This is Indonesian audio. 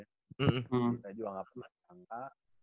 saya juga gak pernah terangka